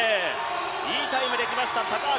いいタイムできました高橋。